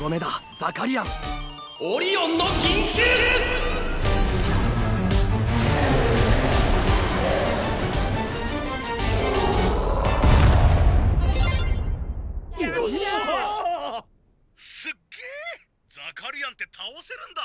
ザカリアンってたおせるんだ！